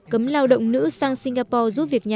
cấm lao động nữ sang singapore giúp việc nhà